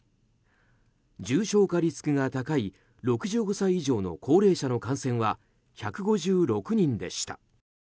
重症化リスクが高い６５歳以上の高齢者の感染は１５６人でした。